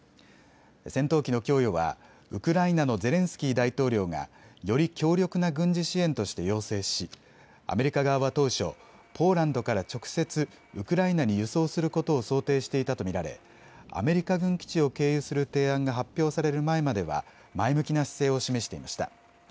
戦闘機の供与はウクライナのゼレンスキー大統領がより強力な軍事支援として要請しアメリカ側は当初、ポーランドから直接ウクライナに輸送することを想定していたと見られアメリカ軍基地を経由する提案が発表される前までは前向きな姿勢を示していました。